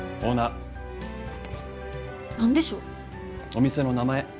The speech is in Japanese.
お店の名前